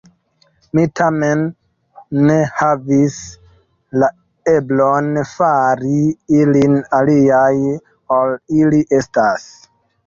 Mi tamen ne havis la eblon fari ilin aliaj, ol ili estas.